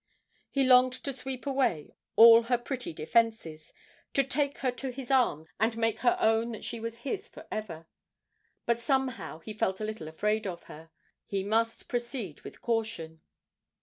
He longed to sweep away all her pretty defences, to take her to his arms and make her own that she was his for ever. But somehow he felt a little afraid of her; he must proceed with caution.